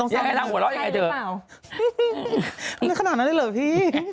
มันไม่ได้ขนาดนั้นเลยเหรอพี่